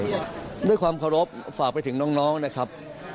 ด้วยความเคารพฝากไปถึงน้องนะครับ